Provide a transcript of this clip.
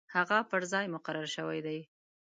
هغه پر ځای مقرر شوی دی.